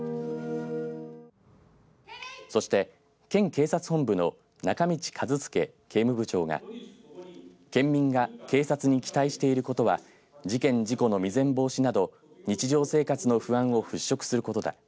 そして県警察本部の中道一輔警務部長が県民が警察に期待していることは事件事故の未然防止など日常生活の不安を払拭することだ。